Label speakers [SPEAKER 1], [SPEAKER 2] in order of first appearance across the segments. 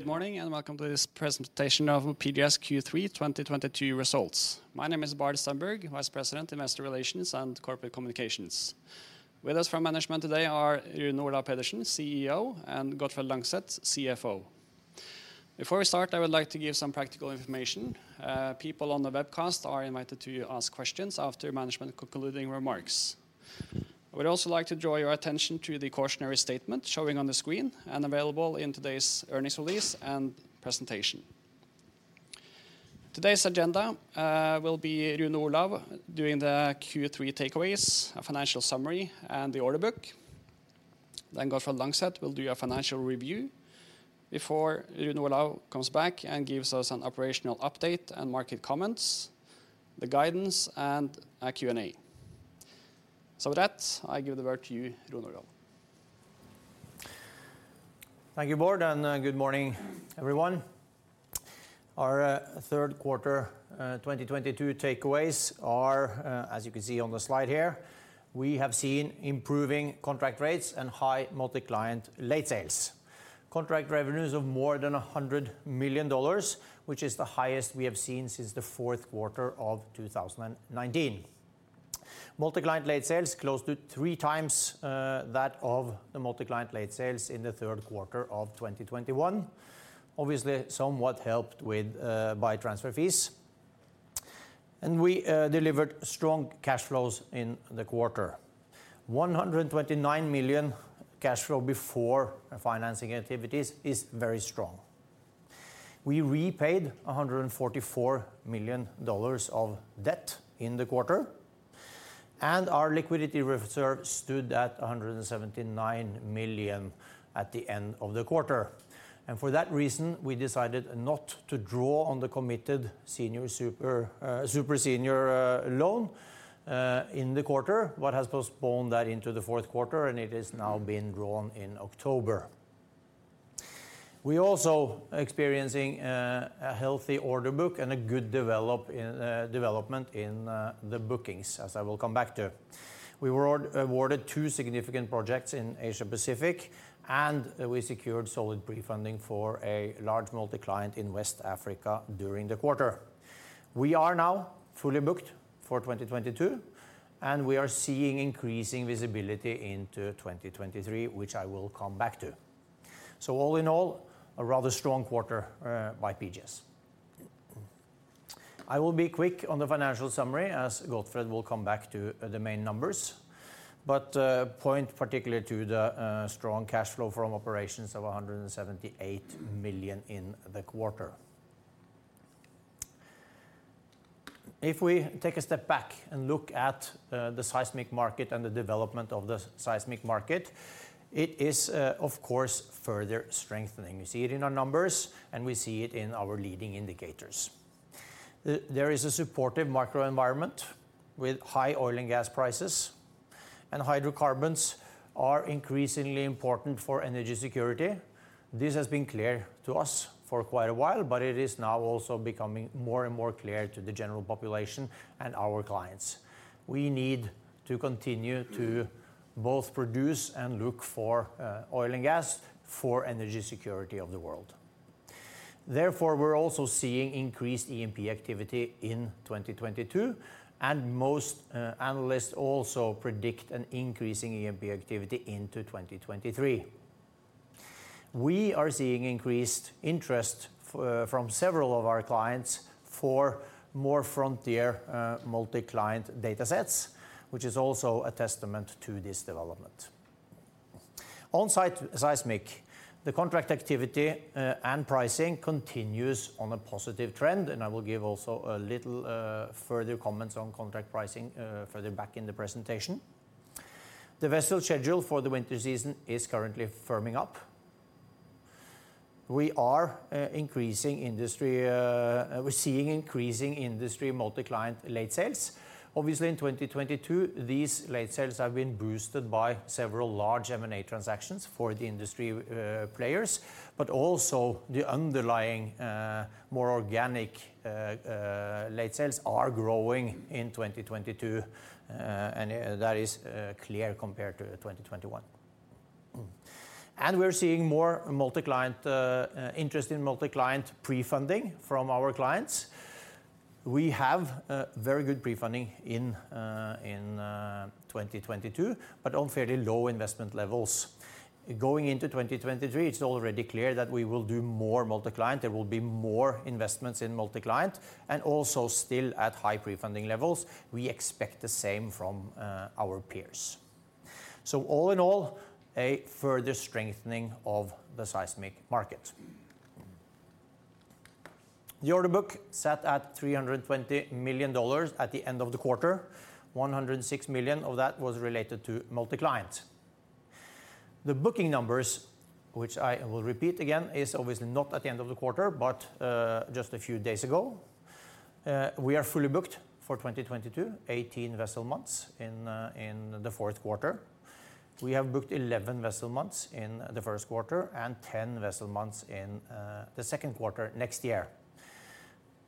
[SPEAKER 1] Good morning, and welcome to this presentation of PGS's Q3 2022 results. My name is Bård Sandberg, Vice President, Investor Relations and Corporate Communications. With us from management today are Rune Olav Pedersen, CEO, and Gottfred Langseth, CFO. Before we start, I would like to give some practical information. People on the webcast are invited to ask questions after management concluding remarks. I would also like to draw your attention to the cautionary statement showing on the screen and available in today's earnings release and presentation. Today's agenda will be Rune Olav doing the Q3 takeaways, a financial summary, and the order book. Then Gottfred Langseth will do a financial review before Rune Olav comes back and gives us an operational update and market comments, the guidance, and a Q&A. With that, I give the word to you, Rune Olav.
[SPEAKER 2] Thank you, Bård, and good morning, everyone. Our third quarter 2022 takeaways are as you can see on the slide here, we have seen improving contract rates and high multi-client late sales. Contract revenues of more than $100 million, which is the highest we have seen since the fourth quarter of 2019. Multi-client late sales close to 3x that of the multi-client late sales in the third quarter of 2021, obviously somewhat helped with by transfer fees. We delivered strong cash flows in the quarter. $129 million cash flow before financing activities is very strong. We repaid $144 million of debt in the quarter, and our liquidity reserve stood at $179 million at the end of the quarter. For that reason, we decided not to draw on the committed super senior loan in the quarter. What has postponed that into the fourth quarter, and it is now being drawn in October. We also experiencing a healthy order book and a good development in the bookings, as I will come back to. We were awarded two significant projects in Asia-Pacific, and we secured solid pre-funding for a large multi-client in West Africa during the quarter. We are now fully booked for 2022, and we are seeing increasing visibility into 2023, which I will come back to. All in all, a rather strong quarter by PGS. I will be quick on the financial summary, as Gottfred will come back to the main numbers, but point particularly to the strong cash flow from operations of $178 million in the quarter. If we take a step back and look at the seismic market and the development of the seismic market, it is, of course, further strengthening. We see it in our numbers, and we see it in our leading indicators. There is a supportive macro environment with high oil and gas prices, and hydrocarbons are increasingly important for energy security. This has been clear to us for quite a while, but it is now also becoming more and more clear to the general population and our clients. We need to continue to both produce and look for oil and gas for energy security of the world. Therefore, we're also seeing increased E&P activity in 2022, and most analysts also predict an increasing E&P activity into 2023. We are seeing increased interest from several of our clients for more frontier multi-client datasets, which is also a testament to this development. On seismic, the contract activity and pricing continues on a positive trend, and I will give also a little further comments on contract pricing further back in the presentation. The vessel schedule for the winter season is currently firming up. We're seeing increasing industry multi-client late sales. Obviously in 2022, these late sales have been boosted by several large M&A transactions for the industry players, but also the underlying more organic late sales are growing in 2022, and that is clear compared to 2021. We're seeing more multi-client interest in multi-client pre-funding from our clients. We have very good pre-funding in 2022, but on fairly low investment levels. Going into 2023, it's already clear that we will do more multi-client. There will be more investments in multi-client and also still at high pre-funding levels. We expect the same from our peers. All in all, a further strengthening of the seismic market. The order book sat at $320 million at the end of the quarter. $106 million of that was related to multi-client. The booking numbers, which I will repeat again, is obviously not at the end of the quarter, but just a few days ago. We are fully booked for 2022, 18 vessel-months in the fourth quarter. We have booked 11 vessel-months in the first quarter and 10 vessel-months in the second quarter next year.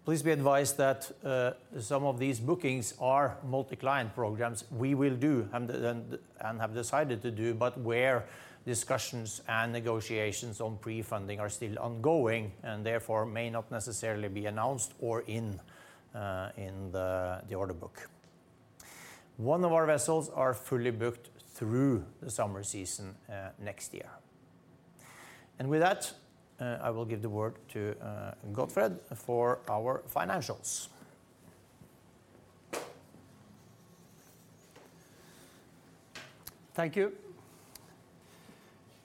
[SPEAKER 2] Please be advised that some of these bookings are multi-client programs we will do and have decided to do, but where discussions and negotiations on pre-funding are still ongoing and therefore may not necessarily be announced or in the order book. One of our vessels are fully booked through the summer season next year. With that, I will give the word to Gottfred for our financials.
[SPEAKER 3] Thank you.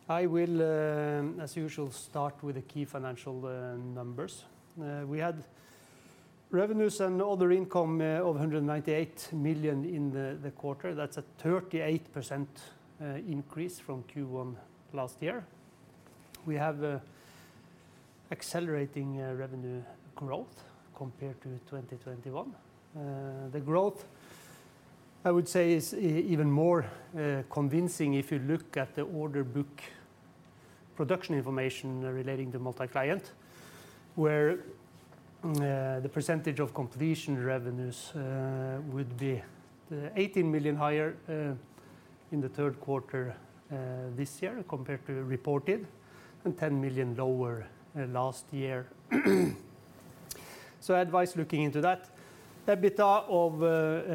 [SPEAKER 3] I will, as usual, start with the key financial numbers. We had revenues and other income of $198 million in the quarter. That's a 38% increase from Q1 last year. We have a accelerating revenue growth compared to 2021. The growth, I would say, is even more convincing if you look at the order book production information relating to multi-client, where the percentage of completion revenues would be $18 million higher in the third quarter this year compared to reported and $10 million lower last year. So, advise looking into that. EBITDA of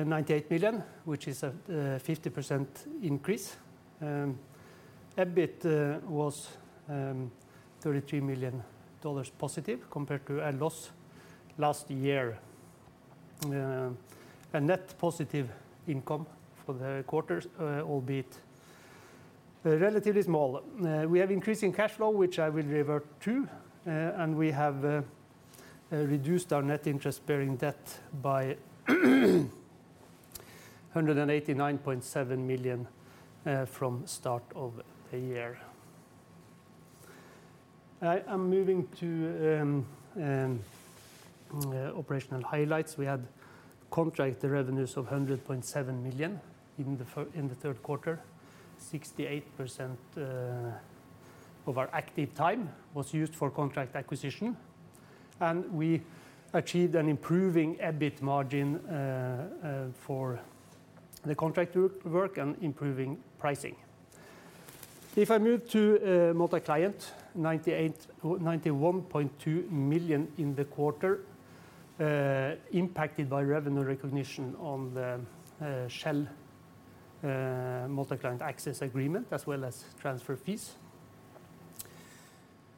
[SPEAKER 3] $98 million, which is a 50% increase. EBIT was $33 million positive compared to a loss last year. A net positive income for the quarter, albeit relatively small. We have increasing cash flow, which I will revert to, and we have reduced our net interest-bearing debt by $189.7 million from start of the year. I am moving to operational highlights. We had contract revenues of $100.7 million in the third quarter. 68% of our active time was used for contract acquisition. We achieved an improving EBIT margin for the contract work and improving pricing. If I move to multi-client, $91.2 million in the quarter, impacted by revenue recognition on the Shell multi-client access agreement, as well as transfer fees.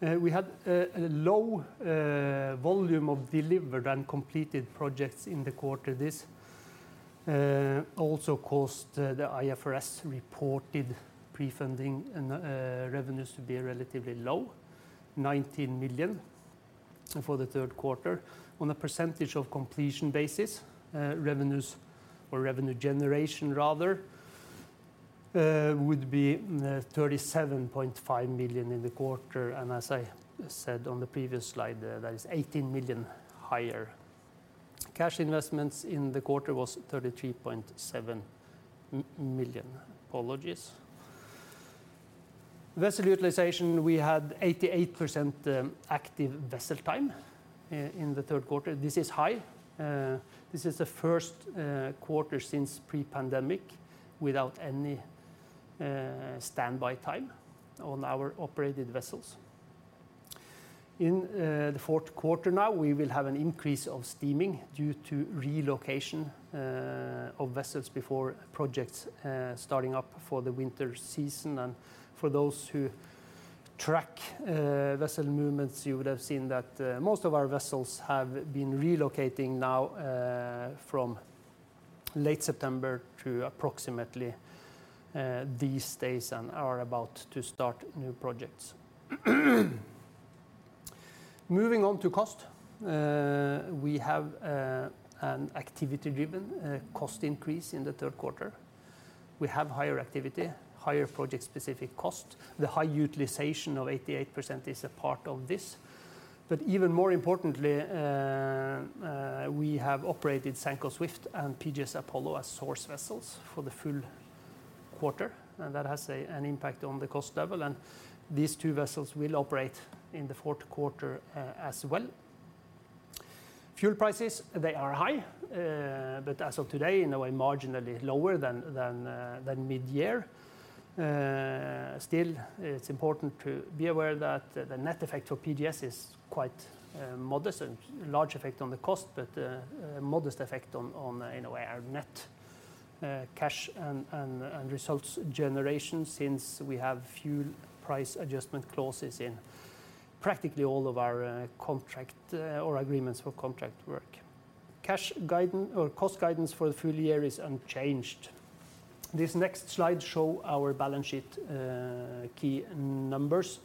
[SPEAKER 3] We had a low volume of delivered and completed projects in the quarter. This also caused the IFRS reported pre-funding and revenues to be relatively low, $19 million for the third quarter. On a percentage of completion basis, revenues or revenue generation rather would be $37.5 million in the quarter. As I said on the previous slide, that is $18 million higher. Cash investments in the quarter was $33.7 million. Apologies. Vessel utilization, we had 88% active vessel time in the third quarter. This is high. This is the first quarter since pre-pandemic without any standby time on our operated vessels. In the fourth quarter now, we will have an increase of steaming due to relocation of vessels before projects starting up for the winter season. For those who track vessel movements, you would have seen that most of our vessels have been relocating now from late September to approximately these days and are about to start new projects. Moving on to cost. We have an activity-driven cost increase in the third quarter. We have higher activity, higher project-specific cost. The high utilization of 88% is a part of this. But even more importantly, we have operated Sanco Swift and PGS Apollo as source vessels for the full quarter, and that has an impact on the cost level. These two vessels will operate in the fourth quarter as well. Fuel prices, they are high, but as of today, in a way, marginally lower than mid-year. Still, it's important to be aware that the net effect for PGS is quite modest and large effect on the cost, but modest effect on, in a way, our net cash and results generation since we have fuel price adjustment clauses in practically all of our contract or agreements for contract work. Cash guidance or cost guidance for the full year is unchanged. This next slide show our balance sheet key numbers.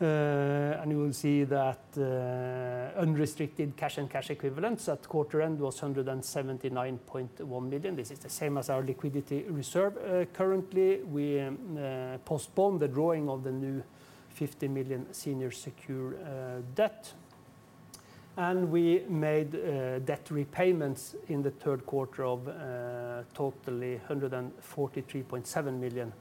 [SPEAKER 3] You will see that unrestricted cash and cash equivalents at quarter end was $179.1 million. This is the same as our liquidity reserve. Currently, we postponed the drawing of the new $50 million senior secured debt. We made debt repayments in the third quarter of totally $143.7 million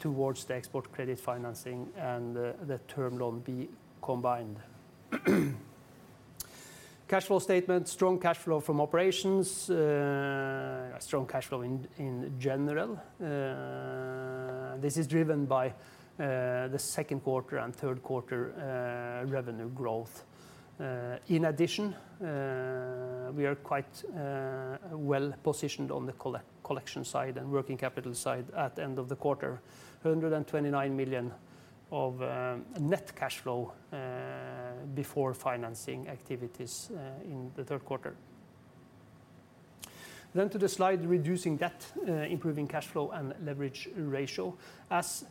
[SPEAKER 3] towards the export credit financing and the term loan B combined. Cash flow statement, strong cash flow from operations, strong cash flow in general. This is driven by the second quarter and third quarter revenue growth. In addition, we are quite well-positioned on the collection side and working capital side at the end of the quarter. $129 million of net cash flow before financing activities in the third quarter. To the slide, reducing debt, improving cash flow and leverage ratio. As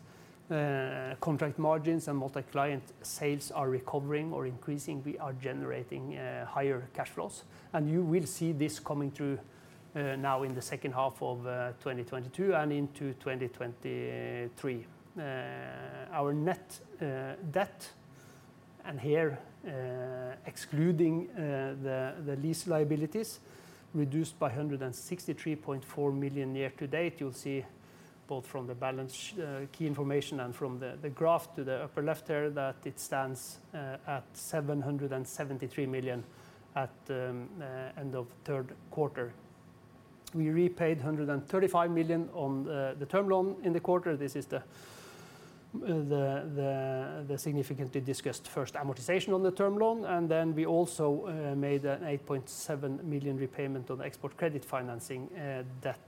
[SPEAKER 3] contract margins and multi-client sales are recovering or increasing, we are generating higher cash flows. You will see this coming through now in the second half of 2022 and into 2023. Our net debt, and here excluding the lease liabilities, reduced by $163.4 million year-to-date. You'll see both from the balance key information and from the graph to the upper left there that it stands at $773 million at end of third quarter. We repaid $135 million on the term loan in the quarter. This is the significantly discussed first amortization on the term loan. We also made an $8.7 million repayment on export credit financing debt.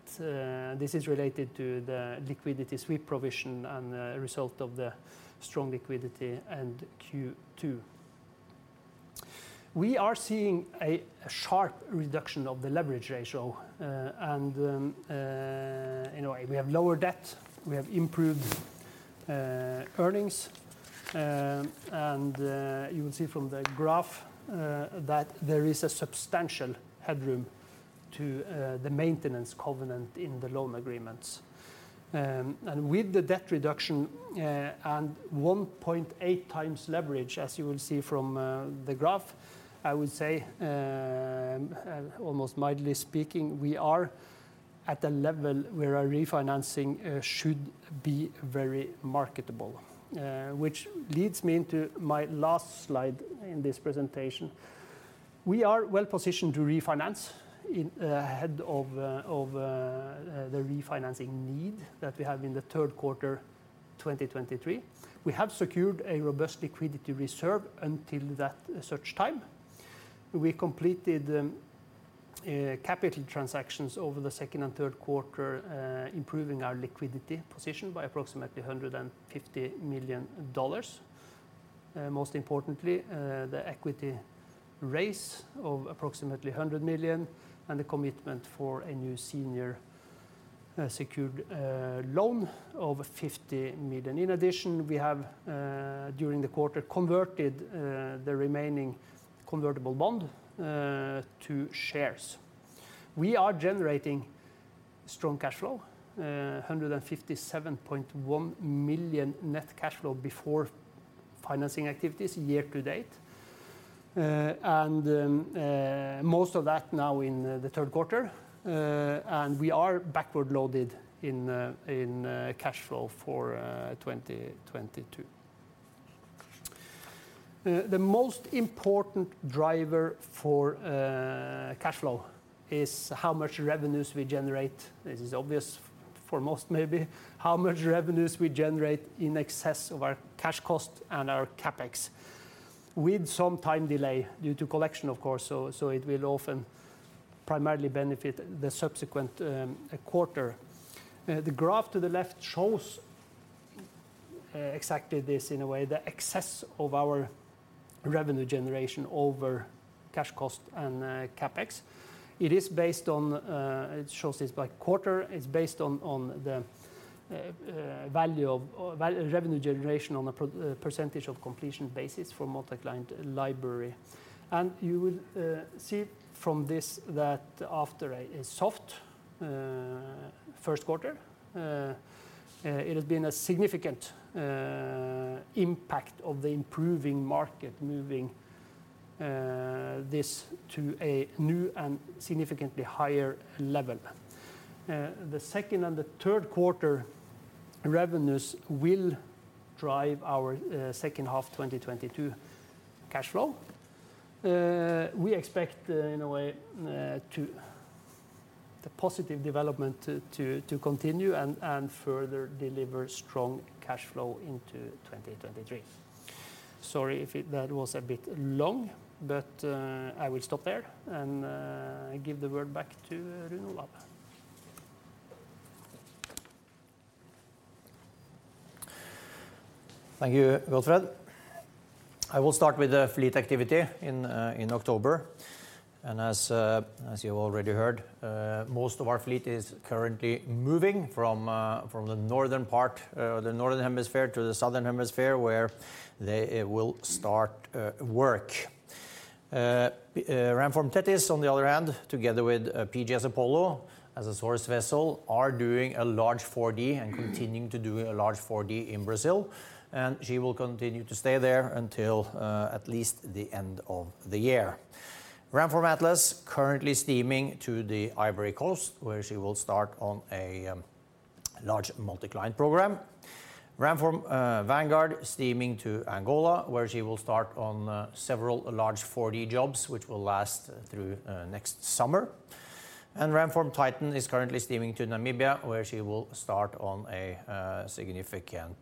[SPEAKER 3] This is related to the liquidity sweep provision and result of the strong liquidity end Q2. We are seeing a sharp reduction of the leverage ratio, and in a way, we have lower debt, we have improved earnings. You will see from the graph that there is a substantial headroom to the maintenance covenant in the loan agreements. With the debt reduction and 1.8x leverage, as you will see from the graph, I would say, almost mildly speaking, we are at a level where our refinancing should be very marketable, which leads me into my last slide in this presentation. We are well-positioned to refinance ahead of the refinancing need that we have in the third quarter 2023. We have secured a robust liquidity reserve until such time. We completed capital transactions over the second and third quarter, improving our liquidity position by approximately $150 million. Most importantly, the equity raise of approximately $100 million and the commitment for a new senior secured loan of $50 million. In addition, we have during the quarter converted the remaining convertible bond to shares. We are generating strong cash flow, $157.1 million net cash flow before financing activities year-to-date. Most of that now in the third quarter. We are backward loaded in cash flow for 2022. The most important driver for cash flow is how much revenues we generate. This is obvious for most maybe. How much revenues we generate in excess of our cash cost and our CapEx with some time delay due to collection, of course. It will often primarily benefit the subsequent quarter. The graph to the left shows exactly this in a way, the excess of our revenue generation over cash cost and CapEx. It shows this by quarter. It's based on the revenue generation on a percentage of completion basis for multi-client library. You will see from this that after a soft first quarter, it has been a significant impact of the improving market moving this to a new and significantly higher level. The second and the third quarter revenues will drive our second half 2022 cash flow. We expect in a way to the positive development to continue and further deliver strong cash flow into 2023. Sorry if that was a bit long, but I will stop there and give the word back to Rune Olav.
[SPEAKER 2] Thank you, Gottfred. I will start with the fleet activity in October. As you already heard, most of our fleet is currently moving from the northern part, the Northern Hemisphere to the Southern Hemisphere, where they will start work. Ramform Tethys, on the other hand, together with PGS Apollo as a source vessel, are doing a large 4D and continuing to do a large 4D in Brazil. She will continue to stay there until at least the end of the year. Ramform Atlas currently steaming to the Ivory Coast, where she will start on a large multi-client program. Ramform Vanguard steaming to Angola where she will start on several large 4D jobs which will last through next summer. Ramform Titan is currently steaming to Namibia where she will start on a significant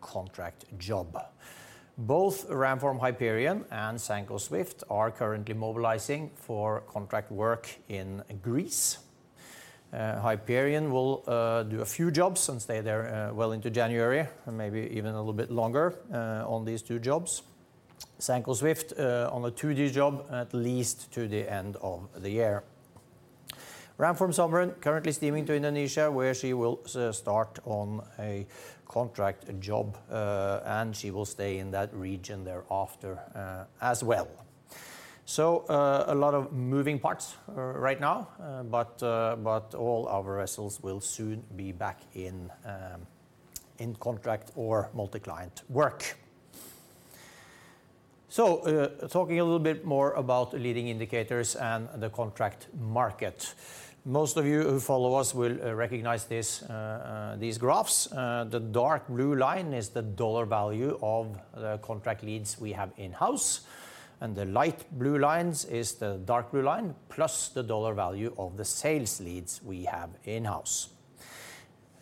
[SPEAKER 2] contract job. Both Ramform Hyperion and Sanco Swift are currently mobilizing for contract work in Greece. Hyperion will do a few jobs and stay there well into January, and maybe even a little bit longer on these two jobs. Sanco Swift on a 2D job, at least to the end of the year. Ramform Sovereign currently steaming to Indonesia, where she will start on a contract job, and she will stay in that region thereafter as well. A lot of moving parts right now, but all our vessels will soon be back in contract or multi-client work. Talking a little bit more about leading indicators and the contract market. Most of you who follow us will recognize this, these graphs. The dark blue line is the dollar value of the contract leads we have in-house, and the light blue line is the dark blue line, plus the dollar value of the sales leads we have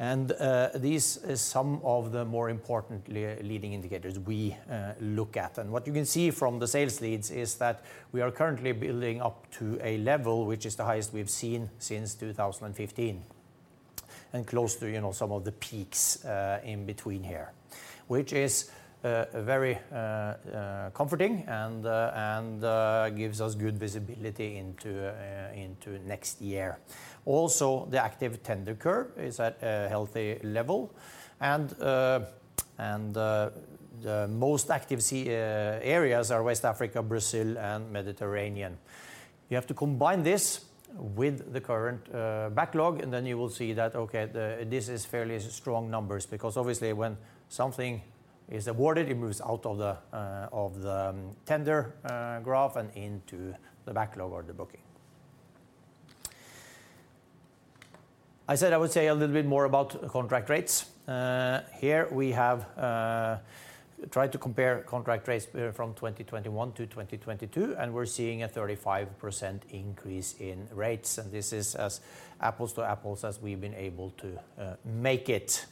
[SPEAKER 2] in-house. This is some of the more important leading indicators we look at. What you can see from the sales leads is that we are currently building up to a level which is the highest we've seen since 2015, and close to, you know, some of the peaks in between here. Which is very comforting and gives us good visibility into next year. The active tender curve is at a healthy level, and the most active seismic areas are West Africa, Brazil, and Mediterranean. You have to combine this with the current backlog, and then you will see that this is fairly strong numbers because obviously when something is awarded, it moves out of the tender graph and into the backlog or the booking. I said I would say a little bit more about contract rates. Here we have tried to compare contract rates from 2021 to 2022, and we're seeing a 35% increase in rates, and this is as apples to apples as we've been able to make it.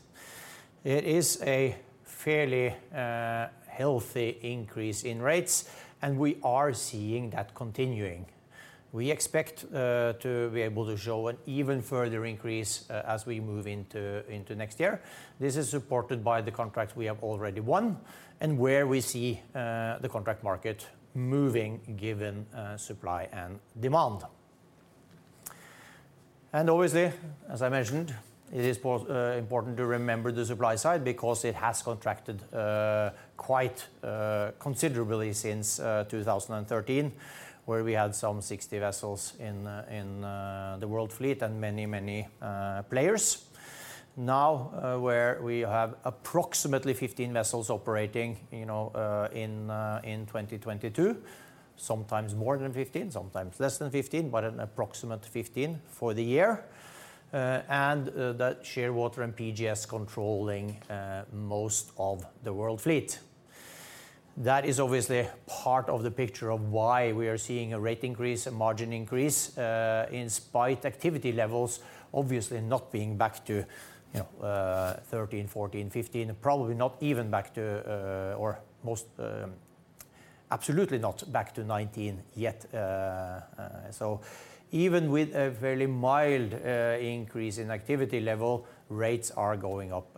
[SPEAKER 2] It is a fairly healthy increase in rates, and we are seeing that continuing. We expect to be able to show an even further increase as we move into next year. This is supported by the contracts we have already won and where we see the contract market moving given supply and demand. Obviously, as I mentioned, it is important to remember the supply side because it has contracted quite considerably since 2013, where we had some 60 vessels in the world fleet and many players. Now, where we have approximately 15 vessels operating, you know, in 2022, sometimes more than 15, sometimes less than 15, but an approximate 15 for the year. that Shearwater and PGS controlling most of the world fleet. That is obviously part of the picture of why we are seeing a rate increase and margin increase in spite of activity levels, obviously not being back to, you know, 2013, 2014, 2015, probably not even back to 2016, absolutely not back to 2019 yet. Even with a very mild increase in activity level, rates are going up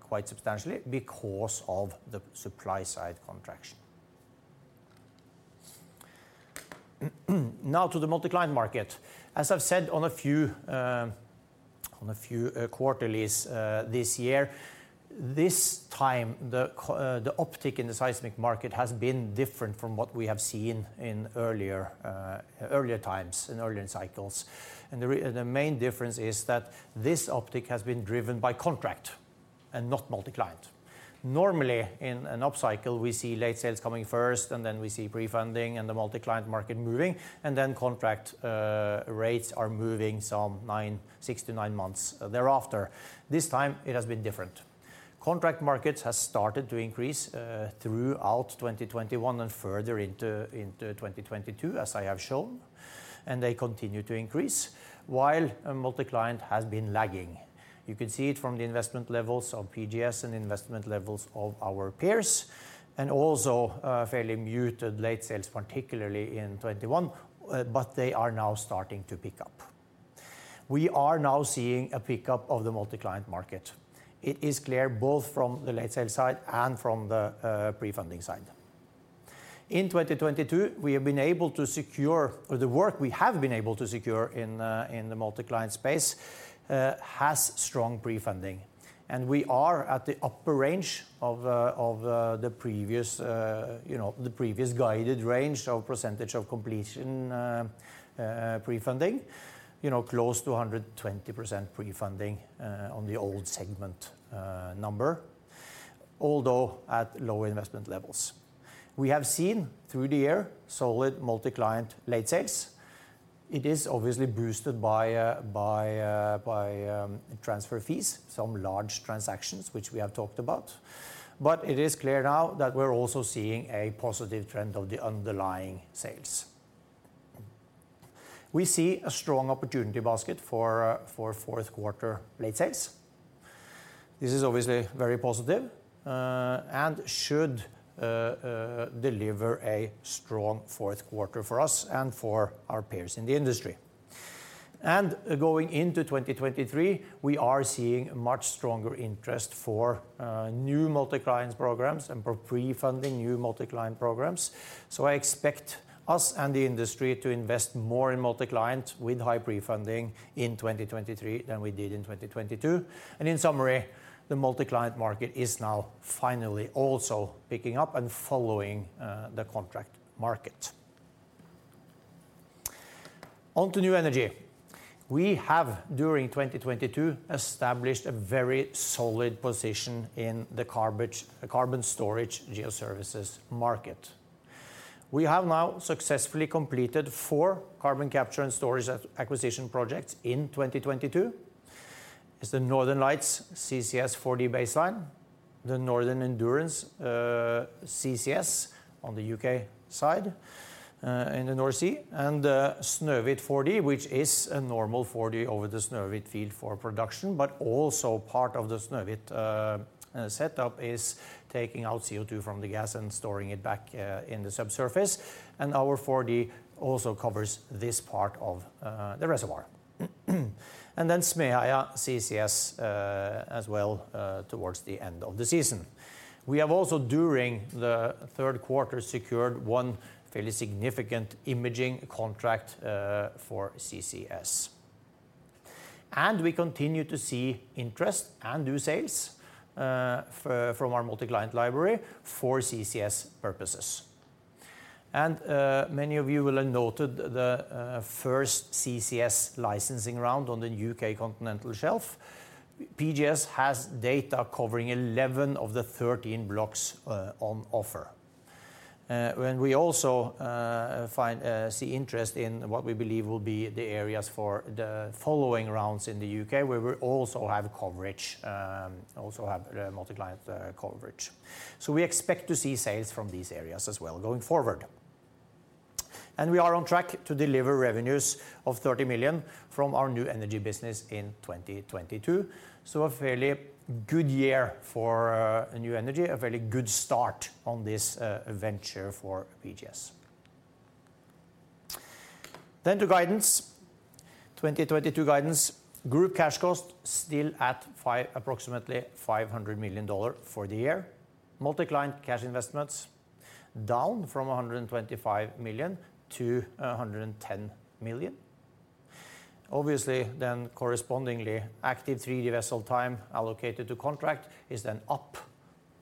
[SPEAKER 2] quite substantially because of the supply side contraction. Now to the multi-client market. As I've said on a few quarterlies this year, this time the uptick in the seismic market has been different from what we have seen in earlier times, in earlier cycles. The main difference is that this uptick has been driven by contract and not multi-client. Normally, in an upcycle, we see late sales coming first, and then we see pre-funding and the multi-client market moving, and then contract rates are moving some six to nine months thereafter. This time it has been different. Contract markets has started to increase throughout 2021 and further into 2022, as I have shown, and they continue to increase while multi-client has been lagging. You can see it from the investment levels of PGS and investment levels of our peers, and also fairly muted late sales, particularly in 2021, but they are now starting to pick up. We are now seeing a pickup of the multi-client market. It is clear both from the late sale side and from the pre-funding side. In 2022, the work we have been able to secure in the multi-client space has strong pre-funding. We are at the upper range of the previous guided range of percentage of completion pre-funding. You know, close to 120% pre-funding on the O&G segment number. Although at low investment levels. We have seen through the year solid multi-client late sales. It is obviously boosted by transfer fees, some large transactions which we have talked about. It is clear now that we're also seeing a positive trend of the underlying sales. We see a strong opportunity basket for fourth quarter late sales. This is obviously very positive and should deliver a strong fourth quarter for us and for our peers in the industry. Going into 2023, we are seeing much stronger interest for new multi-client programs and for pre-funding new multi-client programs. I expect us and the industry to invest more in multi-client with high pre-funding in 2023 than we did in 2022. In summary, the multi-client market is now finally also picking up and following the contract market. On to New Energy. We have, during 2022, established a very solid position in the carbon storage geoservices market. We have now successfully completed four Carbon Capture and Storage acquisition projects in 2022. It's the Northern Lights CCS 4D baseline, the Northern Endurance CCS on the U.K. side in the North Sea, and Snøhvit 4D, which is a normal 4D over the Snøhvit field for production. But also part of the Snøhvit setup is taking out CO2 from the gas and storing it back in the subsurface. Our 4D also covers this part of the reservoir. Then Smeaheia CCS as well towards the end of the season. We have also, during the third quarter, secured one fairly significant imaging contract for CCS. We continue to see interest and new sales from our multi-client library for CCS purposes. Many of you will have noted the first CCS licensing round on the U.K. continental shelf. PGS has data covering 11 of the 13 blocks on offer. We also see interest in what we believe will be the areas for the following rounds in the U.K., where we also have coverage, multi-client coverage. We expect to see sales from these areas as well going forward. We are on track to deliver revenues of $30 million from our New Energy business in 2022. A fairly good year for New Energy, a very good start on this venture for PGS. To guidance. 2022 guidance, group cash costs still at approximately $500 million for the year. Multi-client cash investments down from $125 million to $110 million. Obviously, correspondingly, active 3D vessel time allocated to contract is up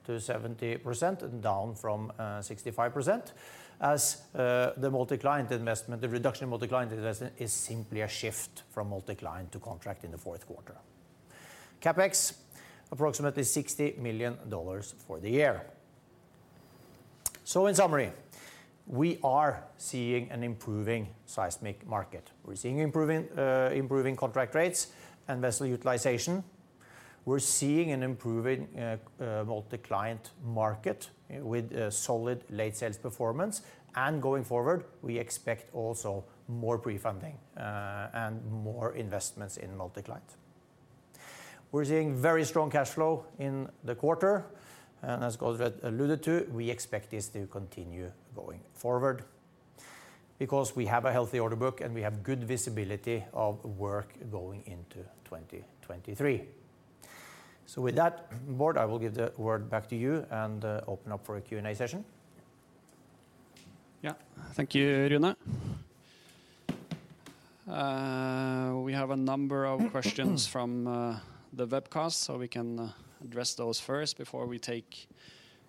[SPEAKER 2] to 70% from 65% as the multi-client investment, the reduction in multi-client investment is simply a shift from multi-client to contract in the fourth quarter. CapEx, approximately $60 million for the year. In summary, we are seeing an improving seismic market. We're seeing improving contract rates and vessel utilization. We're seeing an improving multi-client market with a solid late sales performance. Going forward, we expect also more pre-funding and more investments in multi-client. We're seeing very strong cash flow in the quarter, and as Gottfred alluded to, we expect this to continue going forward because we have a healthy order book, and we have good visibility of work going into 2023. With that, Bård, I will give the word back to you and open up for a Q&A session.
[SPEAKER 1] Yeah. Thank you, Rune. We have a number of questions from the webcast, so we can address those first before we take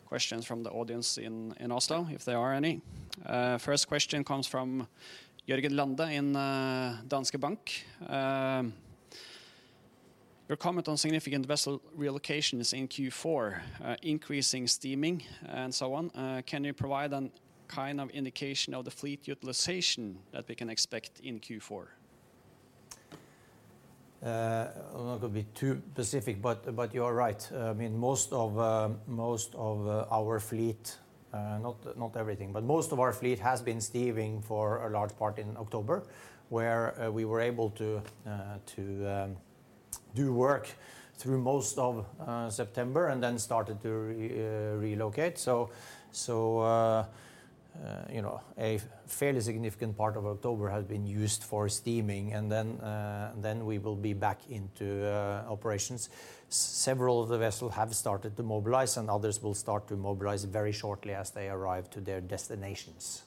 [SPEAKER 1] questions from the audience in Oslo, if there are any. First question comes from Jørgen Lande in Danske Bank. Your comment on significant vessel relocations in Q4, increasing steaming and so on, can you provide a kind of indication of the fleet utilization that we can expect in Q4?
[SPEAKER 2] I'm not gonna be too specific, but you are right. I mean, most of our fleet, not everything, but most of our fleet has been steaming for a large part in October, where we were able to do work through most of September and then started to relocate. You know, a fairly significant part of October has been used for steaming. We will be back into operations. Several of the vessels have started to mobilize, and others will start to mobilize very shortly as they arrive to their destinations.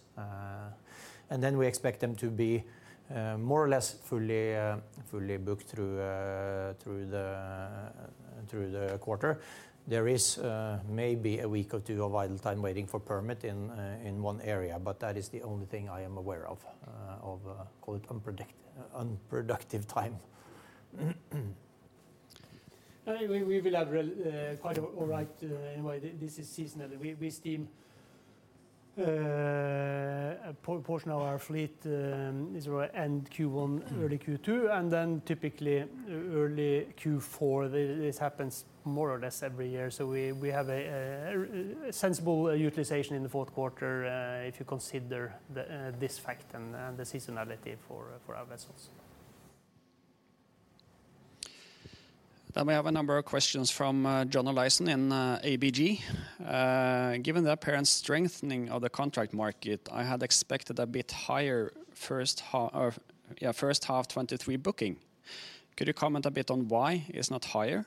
[SPEAKER 2] We expect them to be more or less fully booked through the quarter. There is maybe a week or two of idle time waiting for permit in one area, but that is the only thing I am aware of call it, unproductive time.
[SPEAKER 3] This is seasonal. We stack a portion of our fleet at end Q1, early Q2, and then typically early Q4. This happens more or less every year. We have a sensible utilization in the fourth quarter if you consider this fact and the seasonality for our vessels.
[SPEAKER 1] We have a number of questions from John Olaisen in ABG. Given the apparent strengthening of the contract market, I had expected a bit higher first half 2023 booking. Could you comment a bit on why it's not higher?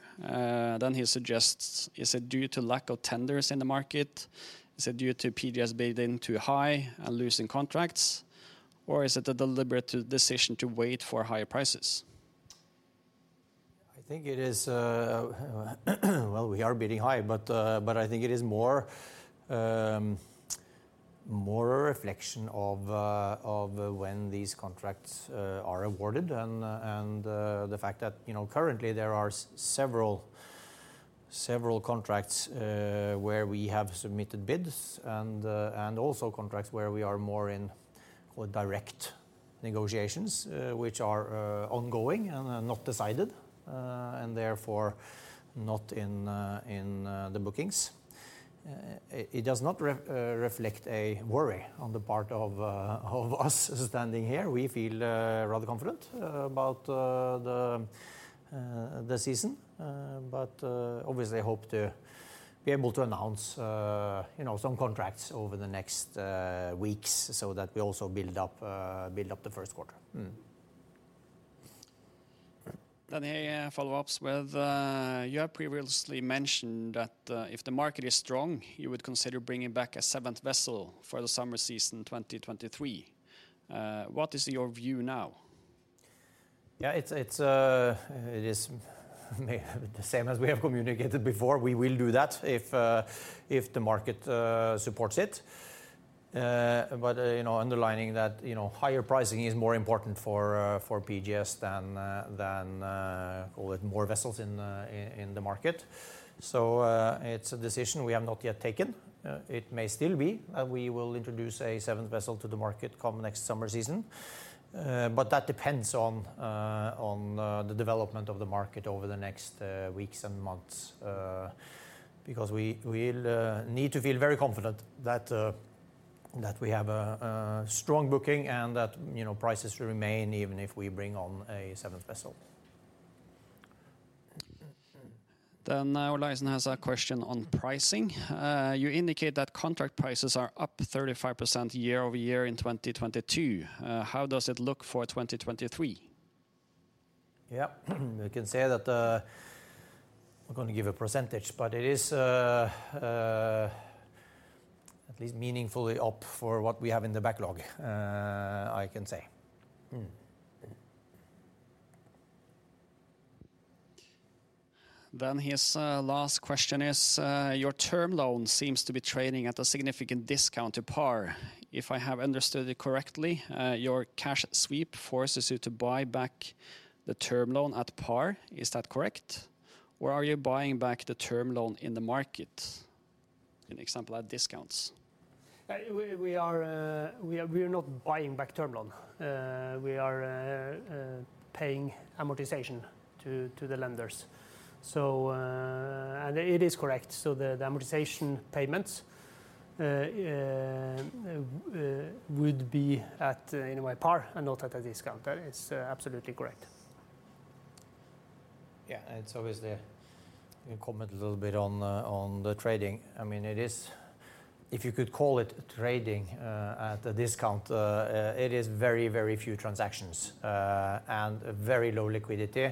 [SPEAKER 1] He suggests, is it due to lack of tenders in the market? Is it due to PGS bidding too high and losing contracts, or is it a deliberate decision to wait for higher prices?
[SPEAKER 2] I think it is, well, we are bidding high, but I think it is more a reflection of when these contracts are awarded and the fact that, you know, currently there are several contracts where we have submitted bids and also contracts where we are more in direct negotiations, which are ongoing and not decided and therefore not in the bookings. It does not reflect a worry on the part of us standing here. We feel rather confident about the season, but obviously hope to be able to announce, you know, some contracts over the next weeks so that we also build up the first quarter.
[SPEAKER 1] He follows up with, "You have previously mentioned that, if the market is strong, you would consider bringing back a seventh vessel for the summer season 2023. What is your view now?
[SPEAKER 2] It's the same as we have communicated before. We will do that if the market supports it. You know, underlining that, you know, higher pricing is more important for PGS than call it more vessels in the market. It's a decision we have not yet taken. It may still be and we will introduce a seventh vessel to the market come next summer season. That depends on the development of the market over the next weeks and months because we will need to feel very confident that we have a strong booking and that, you know, prices remain even if we bring on a seventh vessel.
[SPEAKER 1] John Olaisen has a question on pricing. "You indicate that contract prices are up 35% year-over-year in 2022. How does it look for 2023?
[SPEAKER 2] Yeah. We can say that, I'm not gonna give a percentage, but it is at least meaningfully up for what we have in the backlog, I can say.
[SPEAKER 1] His last question is, "Your term loan seems to be trading at a significant discount to par. If I have understood it correctly, your cash sweep forces you to buy back the term loan at par. Is that correct, or are you buying back the term loan in the market? An example at discounts.
[SPEAKER 3] We are not buying back term loan. We are paying amortization to the lenders. It is correct. The amortization payments would be at, in a way, par and not at a discount. That is absolutely correct.
[SPEAKER 2] Yeah. You can comment a little bit on the trading. I mean, it is, if you could call it trading, at a discount. It is very few transactions and very low liquidity.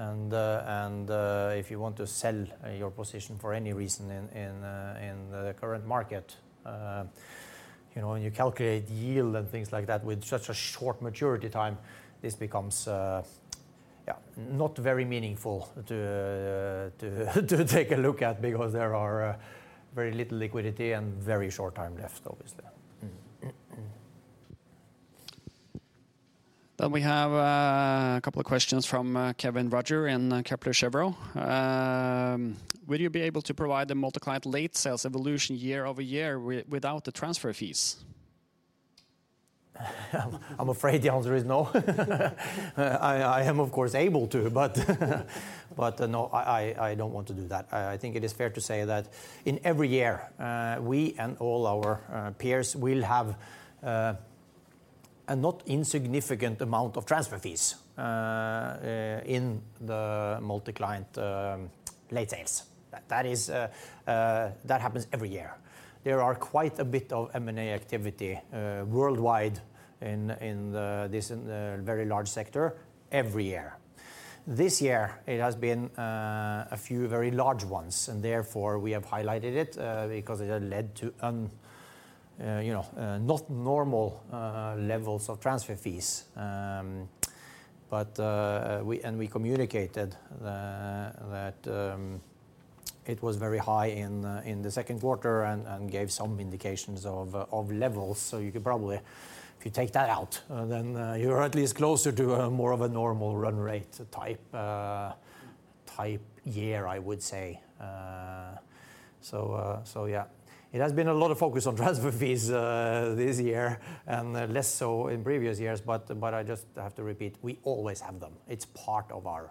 [SPEAKER 2] If you want to sell your position for any reason in the current market, you know, when you calculate yield and things like that with such a short maturity time, this becomes not very meaningful to take a look at because there are very little liquidity and very short time left, obviously.
[SPEAKER 1] We have a couple of questions from Kévin Roger in Kepler Cheuvreux. Would you be able to provide the multi-client late sales evolution year-over-year without the transfer fees?
[SPEAKER 2] I'm afraid the answer is no. I am of course able to, but no, I don't want to do that. I think it is fair to say that in every year, we and all our peers will have a not insignificant amount of transfer fees in the multi-client late sales. That is, that happens every year. There are quite a bit of M&A activity worldwide in this very large sector every year. This year it has been a few very large ones, and therefore we have highlighted it because it had led to you know, not normal levels of transfer fees. It was very high in the second quarter and gave some indications of levels. You could probably, if you take that out, then you're at least closer to a more of a normal run rate type year, I would say. Yeah. It has been a lot of focus on transfer fees this year and less so in previous years. I just have to repeat, we always have them. It's part of our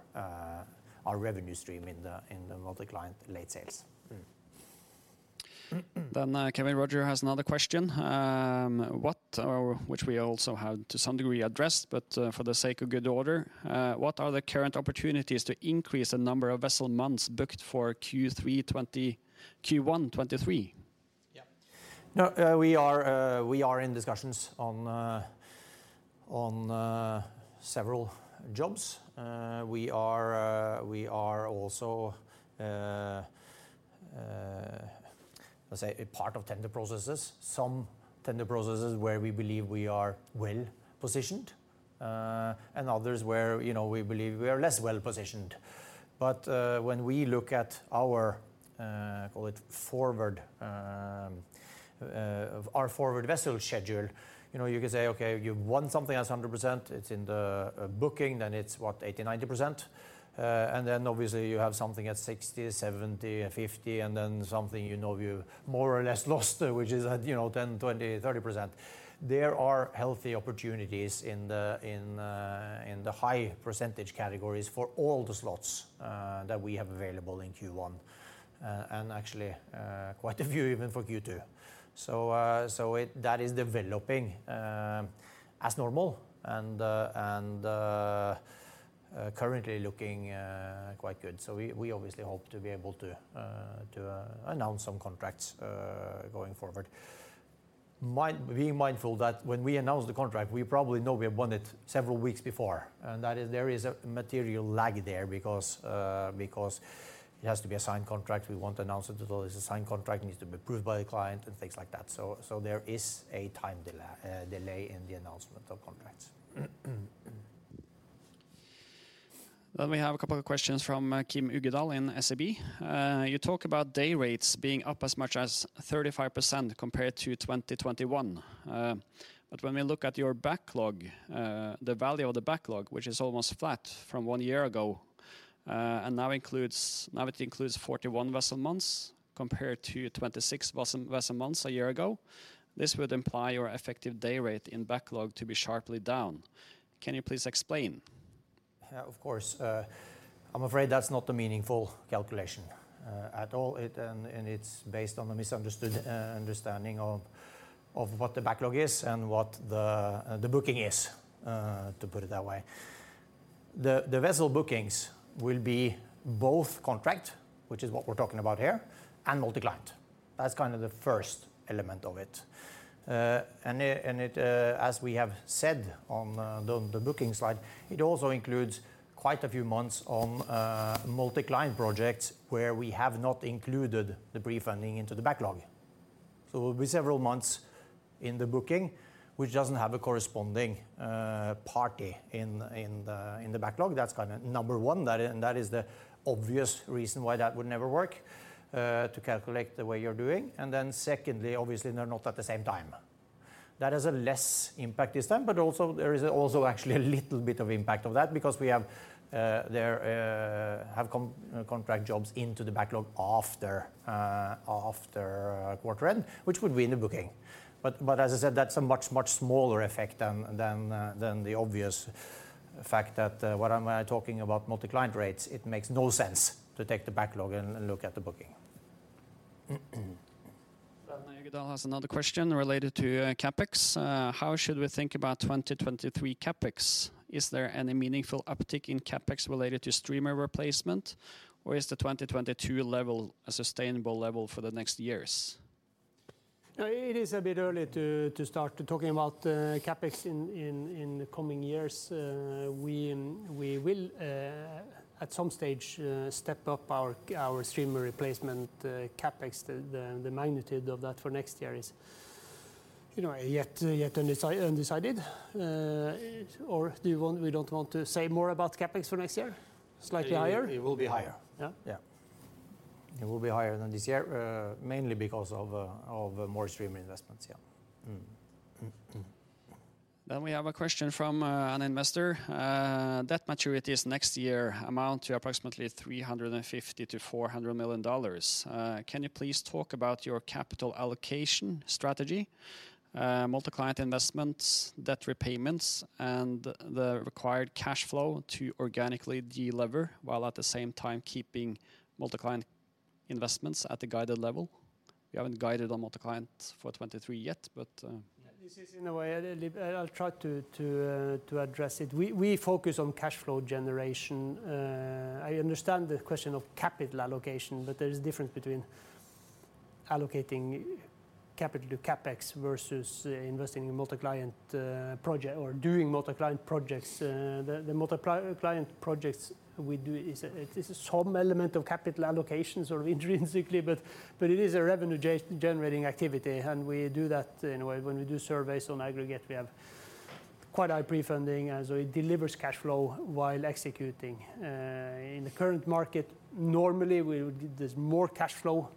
[SPEAKER 2] revenue stream in the multi-client late sales.
[SPEAKER 1] Kévin Roger has another question. Which we also have to some degree addressed, but for the sake of good order, what are the current opportunities to increase the number of vessel months booked for Q1 2023?
[SPEAKER 2] Yeah. No, we are in discussions on several jobs. We are also, let's say part of tender processes. Some tender processes where we believe we are well-positioned, and others where, you know, we believe we are less well-positioned. When we look at our, call it forward, our forward vessel schedule, you know, you can say, okay, you've won something that's 100%, it's in the booking, then it's what, 80%, 90%. Then obviously you have something at 60%, 70%, and 50%, and then something you know you more or less lost, which is at, you know, 10%, 20%, 30%. There are healthy opportunities in the high percentage categories for all the slots that we have available in Q1. Actually, quite a few even for Q2. That is developing as normal and currently looking quite good. We obviously hope to be able to announce some contracts going forward, being mindful that when we announce the contract, we probably know we have won it several weeks before. There is a material lag there because it has to be a signed contract. We won't announce it until there's a signed contract. It needs to be approved by the client, and things like that. There is a time delay in the announcement of contracts.
[SPEAKER 1] We have a couple of questions from Kim Uggedal in SEB. You talk about day rates being up as much as 35% compared to 2021. When we look at your backlog, the value of the backlog, which is almost flat from one year ago, and now it includes 41 vessel months compared to 26 vessel months a year ago. This would imply your effective day rate in backlog to be sharply down. Can you please explain?
[SPEAKER 2] Yeah, of course. I'm afraid that's not a meaningful calculation at all. It's based on a misunderstood understanding of what the backlog is and what the booking is, to put it that way. The vessel bookings will be both contract, which is what we're talking about here, and multi-client. That's kind of the first element of it. And it, as we have said on the booking slide, also includes quite a few months on multi-client projects where we have not included the pre-funding into the backlog. It will be several months in the booking, which doesn't have a corresponding party in the backlog. That's kind of number one. That is the obvious reason why that would never work to calculate the way you're doing. Secondly, obviously, they're not at the same time. That has a less impact this time, but also there is also actually a little bit of impact of that because we have contract jobs into the backlog after quarter end, which would be in the booking. As I said, that's a much smaller effect than the obvious fact that when I'm talking about multi-client rates, it makes no sense to take the backlog and look at the booking.
[SPEAKER 1] Uggedal has another question related to CapEx. How should we think about 2023 CapEx? Is there any meaningful uptick in CapEx related to streamer replacement? Or is the 2022 level a sustainable level for the next years?
[SPEAKER 3] It is a bit early to start talking about CapEx in the coming years. We will at some stage step up our streamer replacement CapEx. The magnitude of that for next year is, you know, yet undecided. Or do you want? We don't want to say more about CapEx for next year? Slightly higher?
[SPEAKER 2] It will be higher.
[SPEAKER 3] Yeah?
[SPEAKER 2] Yeah. It will be higher than this year, mainly because of more streamer investments, yeah.
[SPEAKER 1] We have a question from an investor. Debt maturities next year amount to approximately $350 million-$400 million. Can you please talk about your capital allocation strategy, multi-client investments, debt repayments, and the required cash flow to organically delever, while at the same time keeping multi-client investments at the guided level? We haven't guided on multi-client for 2023 yet.
[SPEAKER 3] This is in a way. I'll try to address it. We focus on cash flow generation. I understand the question of capital allocation, but there is difference between allocating capital to CapEx versus investing in multi-client project or doing multi-client projects. The multi-client projects we do is some element of capital allocation sort of intrinsically, but it is a revenue generating activity, and we do that in a way. When we do surveys on aggregate, we have quite high pre-funding as it delivers cash flow while executing. In the current market, normally there's more cash flow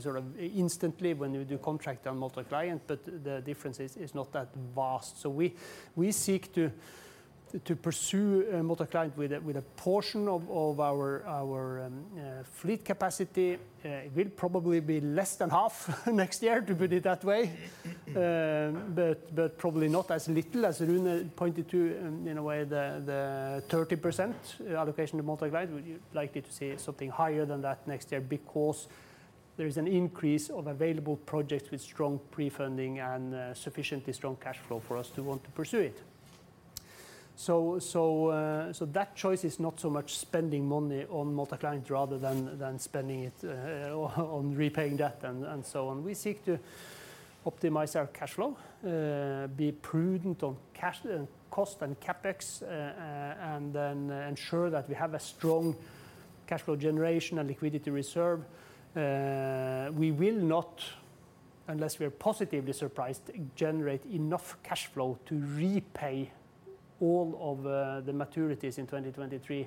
[SPEAKER 3] sort of instantly when you do contract on multi-client, but the difference is not that vast. We seek to pursue multi-client with a portion of our fleet capacity. It will probably be less than half next year, to put it that way. Probably not as little as Rune pointed to in a way, the 30% allocation to multi-client. You're likely to see something higher than that next year because there is an increase of available projects with strong pre-funding and sufficiently strong cash flow for us to want to pursue it. That choice is not so much spending money on multi-client rather than spending it on repaying debt and so on. We seek to optimize our cash flow, be prudent on cash and cost and CapEx, and then ensure that we have a strong cash flow generation and liquidity reserve. We will not, unless we are positively surprised, generate enough cash flow to repay all of the maturities in 2023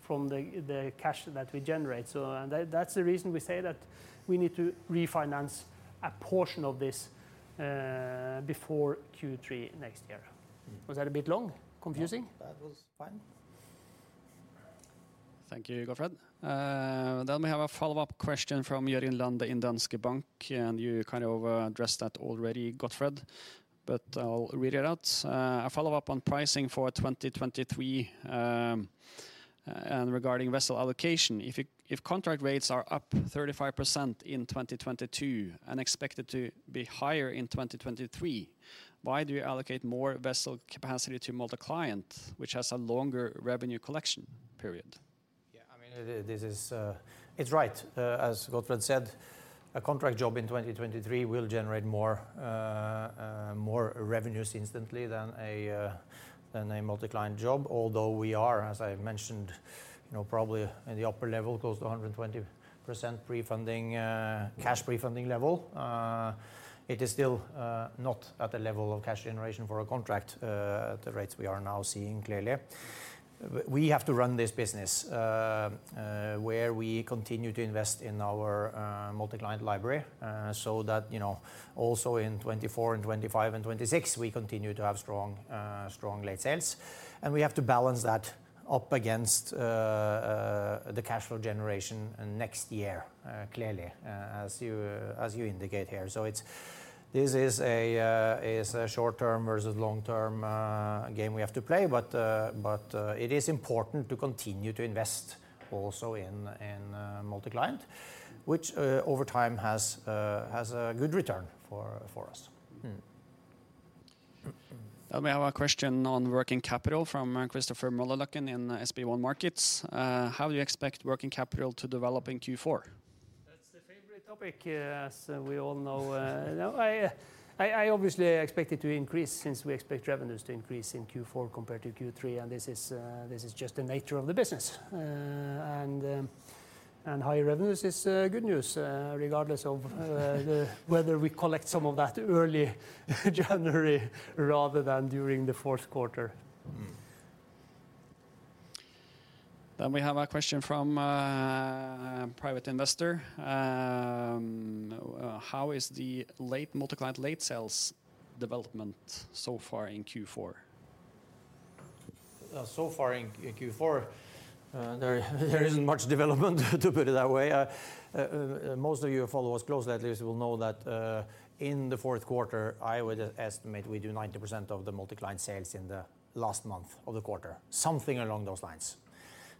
[SPEAKER 3] from the cash that we generate. That, that's the reason we say that we need to refinance a portion of this before Q3 next year. Was that a bit long? Confusing?
[SPEAKER 2] That was fine.
[SPEAKER 1] Thank you, Gottfred. We have a follow-up question from Jørgen Lande in Danske Bank, and you kind of addressed that already, Gottfred, but I'll read it out. A follow-up on pricing for 2023 and regarding vessel allocation. If contract rates are up 35% in 2022 and expected to be higher in 2023, why do you allocate more vessel capacity to multi-client, which has a longer revenue collection period?
[SPEAKER 2] I mean, this is right. As Gottfred said, a contract job in 2023 will generate more revenues instantly than a multi-client job. Although we are, as I mentioned, you know, probably in the upper level, close to 120% pre-funding, cash pre-funding level, it is still not at the level of cash generation for a contract at the rates we are now seeing clearly. We have to run this business where we continue to invest in our multi-client library so that, you know, also in 2024 and 2025 and 2026, we continue to have strong late sales. We have to balance that up against the cash flow generation next year, clearly, as you indicate here. This is a short-term versus long-term game we have to play, but it is important to continue to invest also in multi-client, which over time has a good return for us.
[SPEAKER 1] We have a question on working capital from Christopher Møllerløkken in SB1 Markets. How do you expect working capital to develop in Q4?
[SPEAKER 3] That's a favorite topic, as we all know. No, I obviously expect it to increase since we expect revenues to increase in Q4 compared to Q3, and this is just the nature of the business. And higher revenues is good news, regardless of whether we collect some of that early January rather than during the fourth quarter.
[SPEAKER 1] We have a question from a private investor. How is the multi-client late sales development so far in Q4?
[SPEAKER 2] So far in Q4, there isn't much development, to put it that way. Most of you who follow us closely at least will know that, in the fourth quarter, I would estimate we do 90% of the multi-client sales in the last month of the quarter, something along those lines.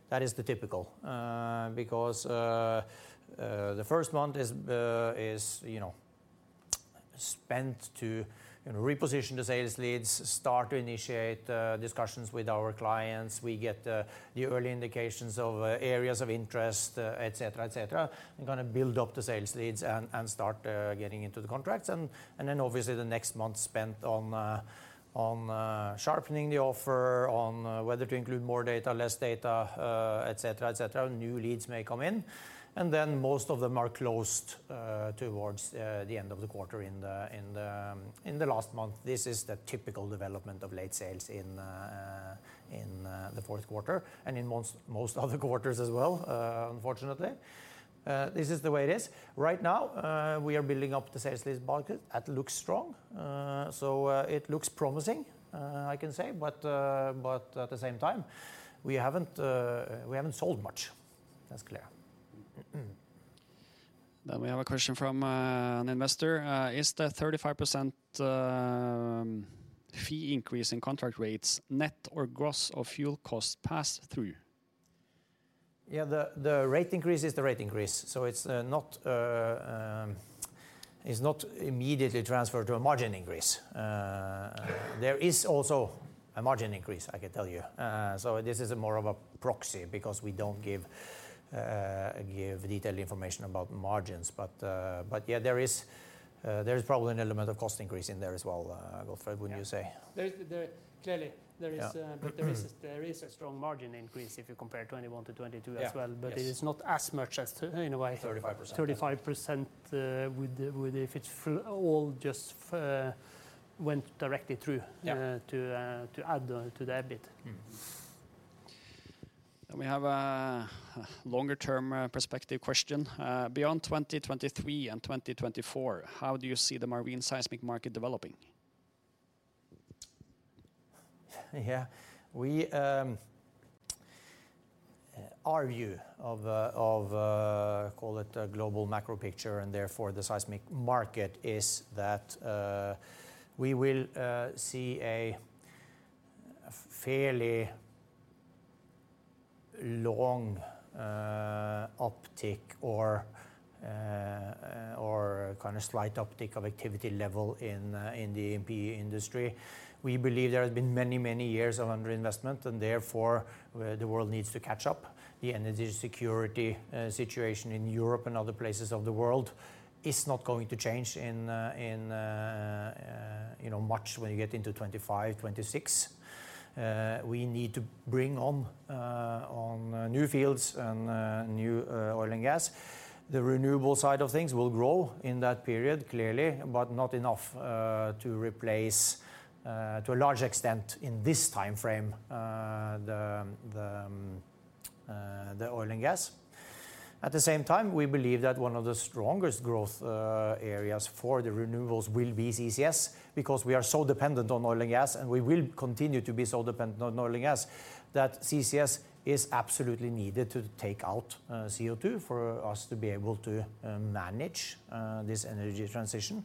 [SPEAKER 2] That is the typical because the first month is, you know, spent to, you know, reposition the sales leads, start to initiate discussions with our clients. We get the early indications of areas of interest, et cetera, et cetera, and kind of build up the sales leads and start getting into the contracts. Then obviously the next month spent on sharpening the offer, on whether to include more data, less data, et cetera, et cetera. New leads may come in, and then most of them are closed towards the end of the quarter in the last month. This is the typical development of late sales in the fourth quarter and in most other quarters as well, unfortunately. This is the way it is. Right now, we are building up the sales leads bucket. That looks strong. It looks promising, I can say. At the same time, we haven't sold much. That's clear.
[SPEAKER 1] We have a question from an investor. Is the 35% fee increase in contract rates net or gross of fuel costs passed through?
[SPEAKER 2] Yeah, the rate increase is the rate increase. It's not immediately transferred to a margin increase. There is also a margin increase, I can tell you. This is more of a proxy because we don't give detailed information about margins. There is probably an element of cost increase in there as well, Gottfred, wouldn't you say?
[SPEAKER 3] Clearly, there is.
[SPEAKER 2] Yeah.
[SPEAKER 3] There is a strong margin increase if you compare 2021 to 2022 as well.
[SPEAKER 2] Yeah. Yes.
[SPEAKER 3] It is not as much as to, in a way.
[SPEAKER 2] 35%.
[SPEAKER 3] 35%, with the, if it's all just went directly through.
[SPEAKER 2] Yeah.
[SPEAKER 3] to add to the EBIT.
[SPEAKER 2] Mm-hmm.
[SPEAKER 1] We have a longer-term perspective question. Beyond 2023 and 2024, how do you see the marine seismic market developing?
[SPEAKER 2] Our view of call it a global macro picture, and therefore the seismic market is that we will see a fairly long uptick or a kind of slight uptick of activity level in the E&P industry. We believe there have been many, many years of underinvestment, and therefore the world needs to catch up. The energy security situation in Europe and other places of the world is not going to change in, you know, much when you get into 2025, 2026. We need to bring on new fields and new oil and gas. The renewable side of things will grow in that period, clearly, but not enough to replace to a large extent in this timeframe the oil and gas. At the same time, we believe that one of the strongest growth areas for the renewables will be CCS because we are so dependent on oil and gas, and we will continue to be so dependent on oil and gas that CCS is absolutely needed to take out CO2 for us to be able to manage this energy transition.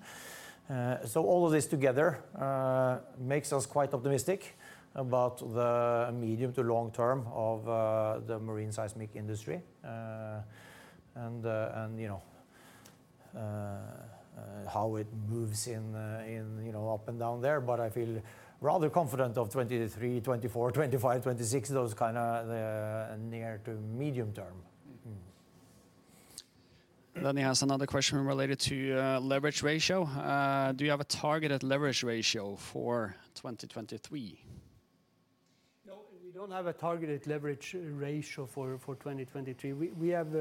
[SPEAKER 2] All of this together makes us quite optimistic about the medium to long term of the marine seismic industry. You know how it moves in you know up and down there, but I feel rather confident of 2023, 2024, 2025, 2026, those kinda the near to medium term.
[SPEAKER 1] Lande has another question related to leverage ratio. Do you have a targeted leverage ratio for 2023?
[SPEAKER 3] No, we don't have a targeted leverage ratio for 2023. We have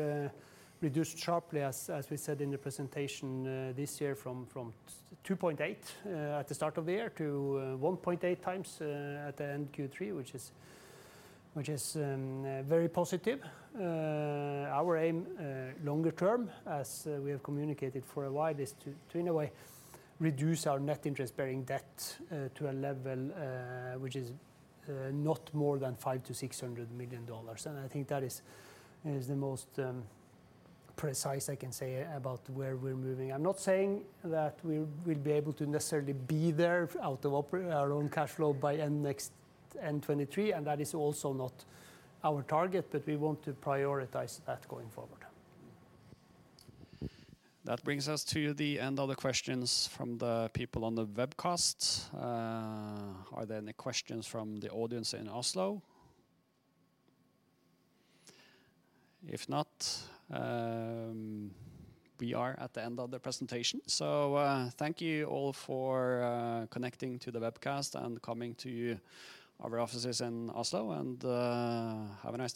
[SPEAKER 3] reduced sharply as we said in the presentation this year from 2.8x at the start of the year to 1.8x at the end Q3, which is very positive. Our aim longer term, as we have communicated for a while, is to in a way reduce our net interest-bearing debt to a level which is not more than $500 million-$600 million. I think that is the most precise I can say about where we're moving. I'm not saying that we will be able to necessarily be there out of our own cash flow by end next, end 2023, and that is also not our target, but we want to prioritize that going forward.
[SPEAKER 1] That brings us to the end of the questions from the people on the webcast. Are there any questions from the audience in Oslo? If not, we are at the end of the presentation. Thank you all for connecting to the webcast and coming to our offices in Oslo, and have a nice day.